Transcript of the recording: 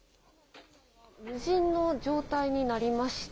今、店内は無人の状態になりました。